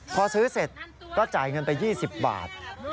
พอซื้อเสร็จก็จ่ายเงินไป๒๐บาท